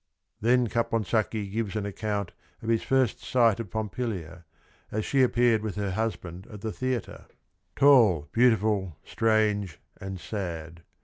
Then Caponsacchi gives an account of his first sight of Pompilia, as she appeared with her husband at the theatre —" tall, beautiful, strange and sad."